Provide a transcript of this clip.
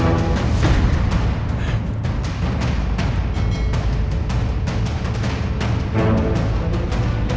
ibu kembali ke